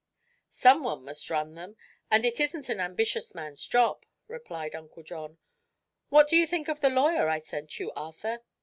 "Someone must run them, and it isn't an ambitious man's job," replied Uncle John. "What do you think of the lawyer I sent you, Arthur?"